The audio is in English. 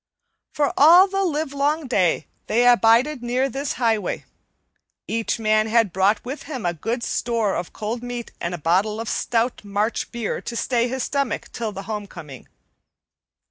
For all the livelong day they abided near this highway. Each man had brought with him a good store of cold meat and a bottle of stout March beer to stay his stomach till the homecoming.